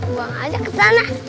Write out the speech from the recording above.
buang aja kesana